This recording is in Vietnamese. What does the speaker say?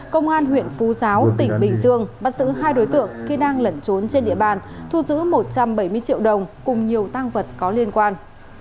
công an huyện phú giáo tỉnh bình dương bắt giữ hai đối tượng khi đang lẩn trốn trên địa bàn thu giữ một trăm bảy mươi triệu đồng cùng nhiều tăng vật có liên quan